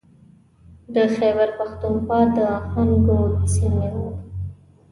د خیبر پښتونخوا د هنګو سیمې و.